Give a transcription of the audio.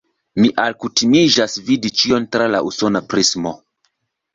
Mi alkutimiĝas vidi ĉion tra la usona prismo.